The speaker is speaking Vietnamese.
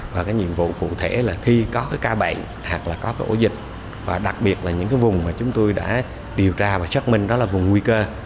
và nhiệm vụ cụ thể là khi có ca bệnh hoặc có ổ dịch đặc biệt là những vùng mà chúng tôi đã điều tra và xác minh đó là vùng nguy cơ